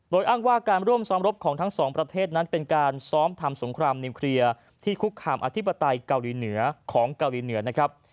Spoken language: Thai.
โดยอ้างว่าการร่วมซ้อมรบของทั้งสองประเทศนั้นเป็นการซ้อมทำสงครามนิวเคลียร์ที่คุกคามอธิปไตยเกาหลีเหนือของเกาหลีเหนือนะครับ